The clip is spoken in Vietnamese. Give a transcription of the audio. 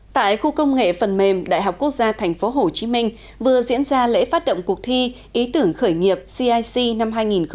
tại khu công nghệ phần mềm đại học quốc gia tp hcm vừa diễn ra lễ phát động cuộc thi ý tưởng khởi nghiệp cic năm hai nghìn hai mươi